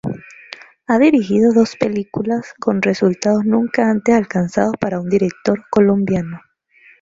Ha dirigido dos películas con resultados nunca antes alcanzados para un director colombiano.